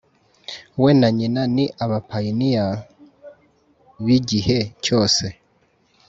we na nyina ni abapayiniya bigihe cyose